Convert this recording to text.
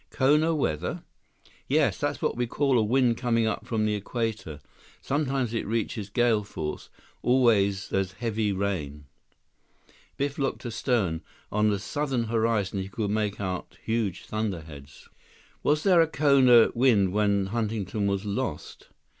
"Kona weather?" "Yes, that's what we call a wind coming up from the Equator. Sometimes it reaches gale force. Always there's heavy rain." Biff looked astern. On the southern horizon, he could make out huge thunderheads. "Was there a Kona wind when Huntington was lost?"